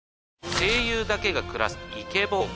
声優だけが暮らすイケボ王国。